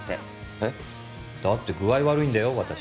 えっ？だって具合悪いんだよ私。